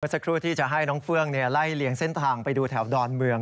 สักครู่ที่จะให้น้องเฟื่องไล่เลี่ยงเส้นทางไปดูแถวดอนเมือง